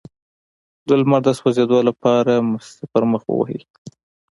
د لمر د سوځیدو لپاره مستې په مخ ووهئ